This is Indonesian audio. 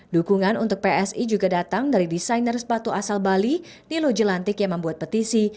dukungan untuk psi juga datang dari desainer sepatu asal bali nilo jelantik yang membuat petisi